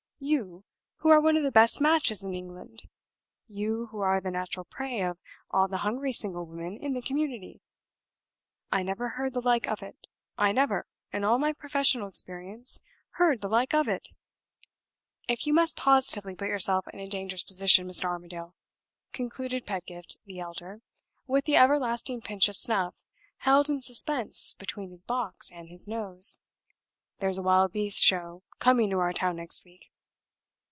You, who are one of the best matches in England! You, who are the natural prey of all the hungry single women in the community! I never heard the like of it; I never, in all my professional experience, heard the like of it! If you must positively put yourself in a dangerous position, Mr. Armadale," concluded Pedgift the elder, with the everlasting pinch of snuff held in suspense between his box and his nose, "there's a wild beast show coming to our town next week.